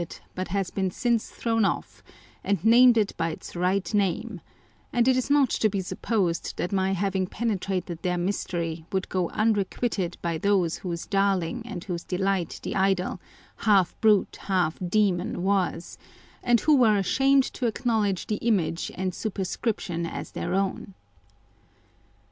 169 been since thrown off, and named it by its right name ; and it is not to be supposed that my having penetrated their mystery would go unrequited by those whose darling and whose delight the idol, half brute, half demon, was, and who were ashamed to acknowledge the image and superscription as their own